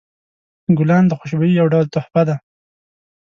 ګلان د خوشبویۍ یو ډول تحفه ده.